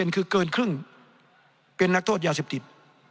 คือเกินครึ่งเป็นนักโทษยาเสพติด